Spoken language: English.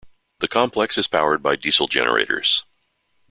The complex is powered by diesel generators.